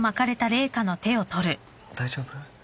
大丈夫？